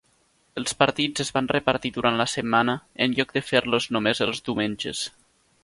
Els partits es van repartir durant la setmana en lloc de fer-los només els diumenges.